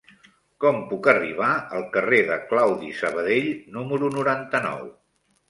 Com puc arribar al carrer de Claudi Sabadell número noranta-nou?